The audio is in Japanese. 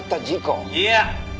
いや！